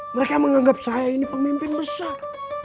mereka menganggap saya ini pemimpin besar